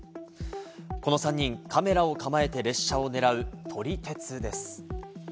この３人、カメラを構えて列車を狙う撮り鉄です。